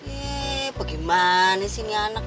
eh bagaimana sih ini anak